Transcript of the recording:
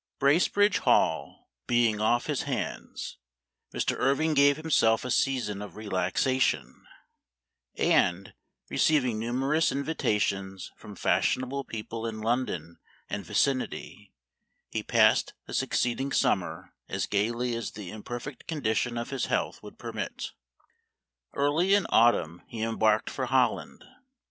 BRACEBRIDGE HALL" being off his hands, Mr. Irving gave himself a season of relaxation, and, receiving numerous invita tions from fashionable people in London and vicinity, he passed the succeeding summer as gayly as the imperfect condition of his health would permit. Early in autumn he embarked for Holland.